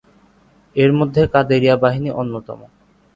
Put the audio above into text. এর মধ্যে কাদেরিয়া বাহিনী অন্যতম।